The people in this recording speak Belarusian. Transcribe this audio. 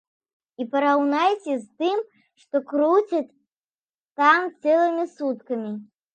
І параўнайце з тым, што круцяць там цэлымі суткамі.